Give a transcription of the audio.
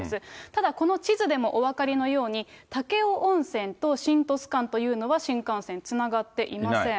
ただ、この地図でもお分かりのように、武雄温泉と新鳥栖間というのは新幹線、つながっていません。